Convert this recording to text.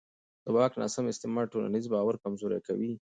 د واک ناسم استعمال ټولنیز باور کمزوری کوي